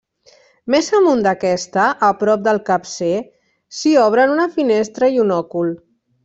Més amunt d'aquesta, a prop del capcer, s'hi obren una finestra i un òcul.